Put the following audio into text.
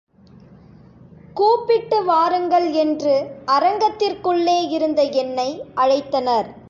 கூப்பிட்டு வாருங்கள் என்று, அரங்கத்திற்குள்ளே இருந்த என்னை அழைத்தனர்.